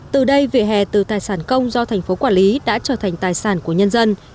từ đây vỉa hè từ tài sản công do thành phố quản lý đã trở thành tài sản của nhân dân